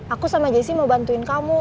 aku sama jessi mau bantuin kamu